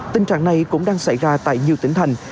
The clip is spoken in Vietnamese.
tình trạng này cũng đang xảy ra tại nhiều tỉnh thành